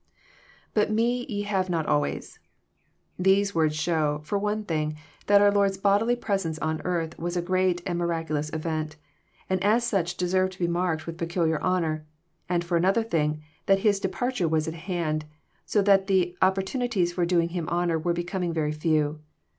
([But me ye have not always, \ These words show, for one thing, that our Lord's bodily presence on earth was a great and mirac ulous event, and as such deserved to be marked with peculiar honour ; and for another thing, that His departure was at hand, so that the opportunities for doing Him honour were becoming very few.